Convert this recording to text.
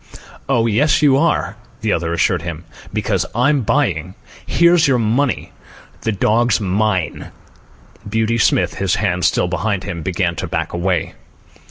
"Oh, yes you are," the other assured him. "Because I'm buying. Here's your money. The dog's mine." Beauty Smith, his hands still behind him, began to back away.